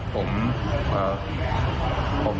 จริงผม